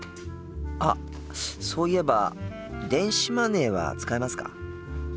あっそういえば電子マネーは使えますか？